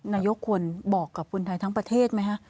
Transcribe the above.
นายกควรบอกกับคนไทยทั้งประเทศไหมคะ